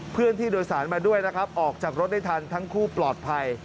เพื่อนที่โดยสารมาด้วยนะครับออกจากรถได้ทันทั้งคู่ปลอดภัย